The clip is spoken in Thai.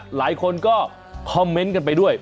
หลายคนก็คอมเมนต์กันไปด้วย